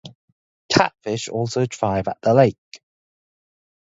Catfish also thrive at the lake.